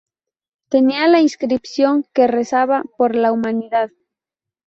Tenía la inscripción que rezaba: ""Por la Humanidad"".